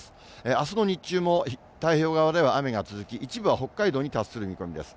あすの日中も、太平洋側では雨が続き、一部は北海道に達する見込みです。